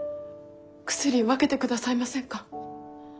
薬分けてくださいませんか？